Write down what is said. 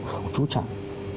không trú trọng